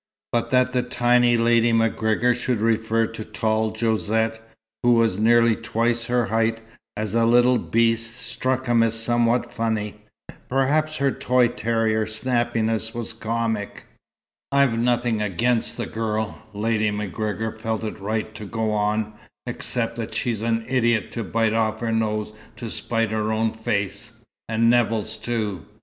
But that the tiny Lady MacGregor should refer to tall Josette, who was nearly twice her height, as a "little beast," struck him as somewhat funny. Besides, her toy terrier snappishness was comic. "I've nothing against the girl," Lady MacGregor felt it right to go on, "except that she's an idiot to bite off her nose to spite her own face and Nevill's too.